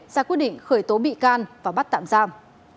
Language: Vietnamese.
ra quyết định khởi tố bị can và bắt tạm giam